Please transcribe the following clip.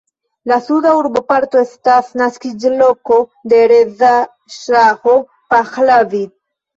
La suda urboparto estas naskiĝloko de Reza Ŝaho Pahlavi.